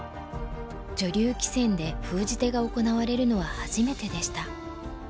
女流棋戦で封じ手が行われるのは初めてでした。